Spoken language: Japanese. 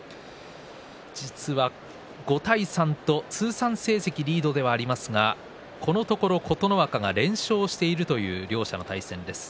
実は５対３と通算成績リードではありますがこのところ琴ノ若が連勝しているという両者の対戦です。